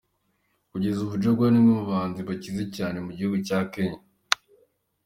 Kugeza ubu Jaguar ni umwe mu bahanzi bakize cyane mu gihugu cya Kenya.